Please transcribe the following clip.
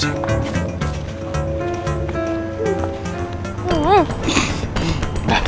kita harus pergi